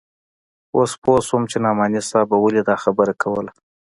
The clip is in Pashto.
اوس پوه سوم چې نعماني صاحب به ولې دا خبره کوله.